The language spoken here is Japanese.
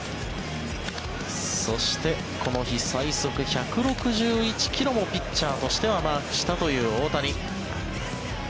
そして、この日最速１６１ｋｍもピッチャーとしてはマークしたという大谷。